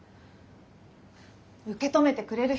受け止めてくれる人だよ。